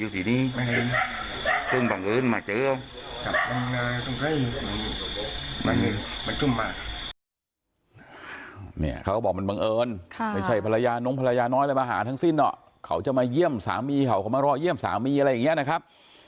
ก็เป็นว่าเนี่ยแหละครับทุกผู้ชมครับฝั่งของฝรรยาของเจ้าของบ้านก็ถูกแช่งกันเลยนะครับ